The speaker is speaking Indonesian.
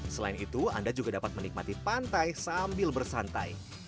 selain itu anda juga dapat menikmati pantai sambil bersantai